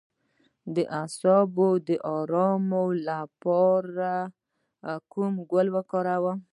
د اعصابو د ارام لپاره کوم ګل وکاروم؟